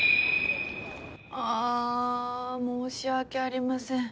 あ申し訳ありません。